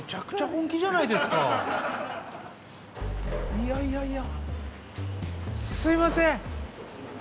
いやいやいやすいません！